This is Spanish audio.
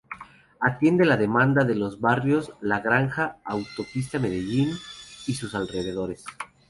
Atiende la demanda de los barrios La Granja, Autopista Medellín y sus alrededores.